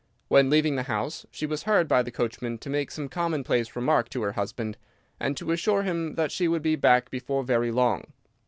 When leaving the house she was heard by the coachman to make some commonplace remark to her husband, and to assure him that she would be back before very long.